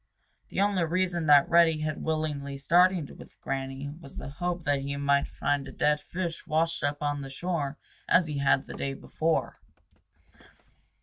The only reason that Reddy had willingly started with Granny was the hope that he might find a dead fish washed up on the shore as he had the day before.